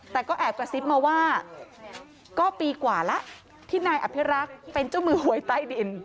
แต่ก็แอบกระซิบมาว่าก็ปีกว่าแล้วที่นายอภิรักษ์เป็นเจ้ามือหวยใต้ดิน